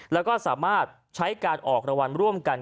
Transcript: แล้วก็สามารถใช้การออกรางวัลร่วมกัน